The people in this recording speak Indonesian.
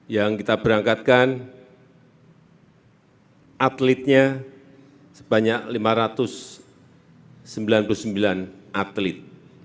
yang kita berangkatkan atletnya sebanyak lima ratus sembilan puluh sembilan atlet